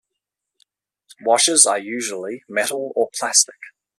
Washers are usually metal or plastic.